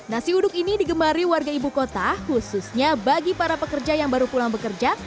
nasi uduk ini digemari warga ibu kota khususnya bagi para pekerja yang baru pulang bekerja